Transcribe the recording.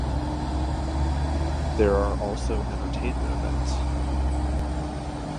There are also entertainment events.